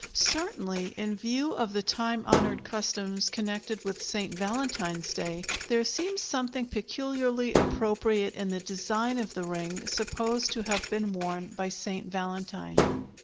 Certainly, in view of the time honored customs connected with St. Valentine's Day, there seems something peculiarly appropriate in the design of the ring supposed to have been worn by St. Valentine.